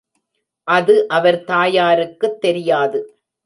அது அவர் தாயாருக்குத் தெரியாது.